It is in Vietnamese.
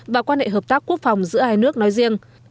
và quan hệ hợp tác quốc phòng giữa hai nước nói riêng